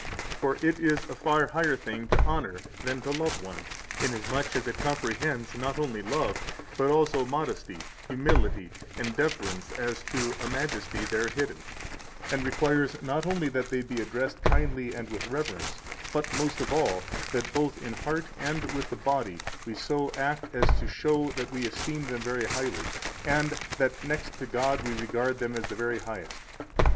106 For it is a far higher thing to honor than to love one, inasmuch as it comprehends not only love, but also modesty, humility, and deference as to a majesty there hidden, 107 and requires not only that they be addressed kindly and with reverence, but, most of all, that both in heart and with the body we so act as to show that we esteem them very highly, and that, next to God, we regard them as the very highest.